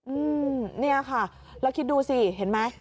อืมเนี่ยค่ะแล้วคิดดูสิเห็นไหม